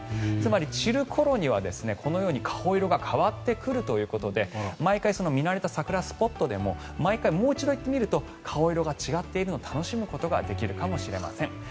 つまり、散る頃にはこのように顔色が変わってくるということで毎回見慣れた桜スポットでももう一度行ってみると顔色が違っているのを楽しむことができるかもしれません。